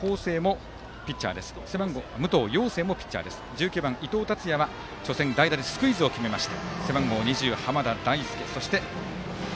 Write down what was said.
１９番、伊藤達也は初戦でスクイズを決めました。